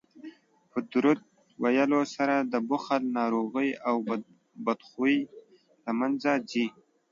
په درود ویلو سره د بخل ناروغي او بدخويي له منځه ځي